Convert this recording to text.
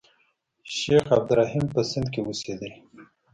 شیخ عبدالرحیم په سند کې اوسېدی.